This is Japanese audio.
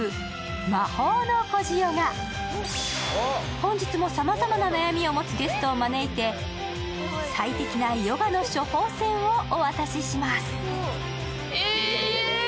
本日もさまざまな悩みを持つゲストを招いて最適なヨガの処方箋をお渡しします。